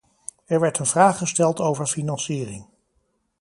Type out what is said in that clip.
Er werd een vraag gesteld over financiering.